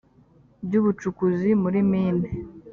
by ubucukuzi muri mine